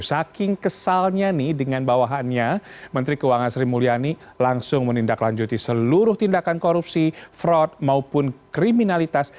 saking kesalnya nih dengan bawahannya menteri keuangan sri mulyani langsung menindaklanjuti seluruh tindakan korupsi fraud maupun kriminalitas